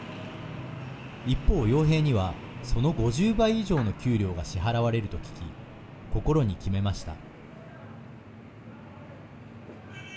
一方、よう兵にはその５０倍以上の給料が支払われると聞き心に決めました。